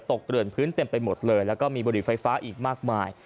เกลื่อนพื้นเต็มไปหมดเลยแล้วก็มีบุหรี่ไฟฟ้าอีกมากมาย